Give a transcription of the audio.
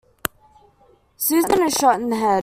Susan is shot in the head.